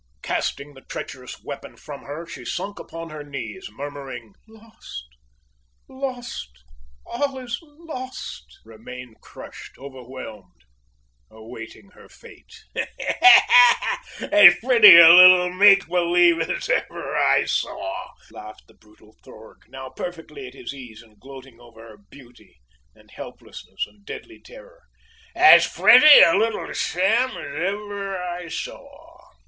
Casting the traitorous weapon from her, she sunk upon her knees, murmuring: "Lost lost all is lost!" remained crushed, overwhelmed, awaiting her fate! "Ha! ha! ha! as pretty a little make believe as ever I saw!" laughed the brutal Thorg, now perfectly at his ease, and gloating over her beauty, and helplessness, and, deadly terror. "As pretty a little sham as ever I saw!"